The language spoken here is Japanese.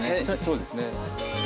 そうですね。